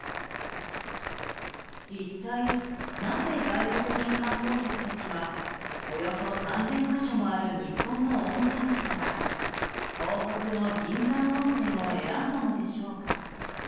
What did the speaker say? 一体なぜ、外国人観光客たちはおよそ３０００か所もある日本の温泉地から東北の銀山温泉を選んだのでしょうか。